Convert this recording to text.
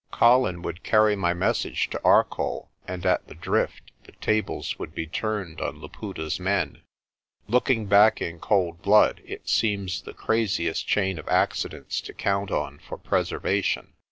Colin would carry my message to Arcoll, and at the Drift the tables would be turned on Laputa' s men. Looking back in cold blood, it seems the craziest chain of accidents to count on for preservation.